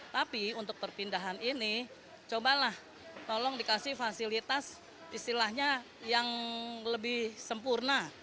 tapi untuk perpindahan ini cobalah tolong dikasih fasilitas istilahnya yang lebih sempurna